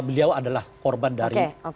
beliau adalah korban dari